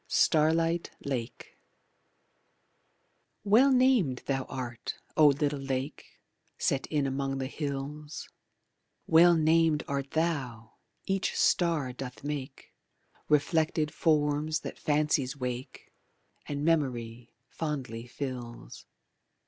Starlight Lake Well named thou art, O little lake Set in among the hills; Well named art thou, each star doth make Reflected forms that fancies wake And memory fondly fills.